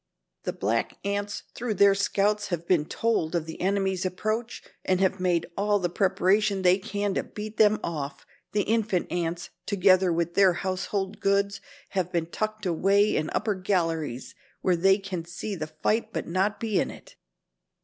The black ants through their scouts have been told of the enemy's approach and have made all the preparation they can to beat them off. The infant ants, together with their household goods, have been tucked away in upper galleries where they can see the fight but not be in it."